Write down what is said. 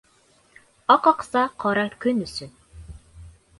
Аҡ акса ҡара көн өсөн.